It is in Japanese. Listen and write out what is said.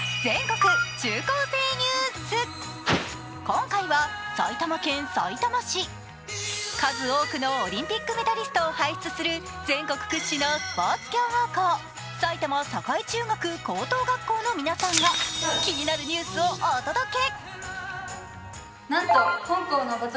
今回は埼玉県さいたま市、数多くのオリンピックメダリストを輩出する全国屈指のスポーツ強豪校埼玉栄中学・高等学校の皆さんが気になるニュースをお届け。